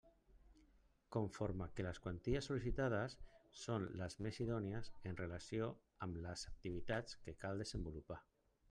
Conforme que les quanties sol·licitades són les més idònies en relació amb les activitats que cal desenvolupar.